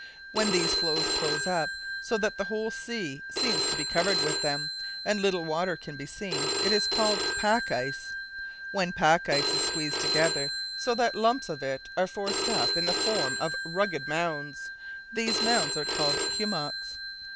When these floes close up, so that the whole sea seems to be covered with them, and little water can be seen, it is called "pack" ice. When the pack is squeezed together, so that lumps of it are forced up in the form of rugged mounds, these mounds are called "hummocks."